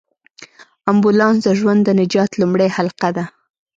امبولانس د ژوند د نجات لومړۍ حلقه ده.